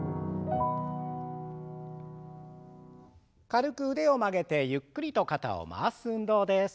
軽く腕を曲げてゆっくりと肩を回す運動です。